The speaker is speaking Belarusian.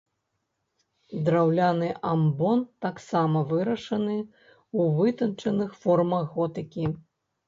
Драўляны амбон таксама вырашаны ў вытанчаных формах готыкі.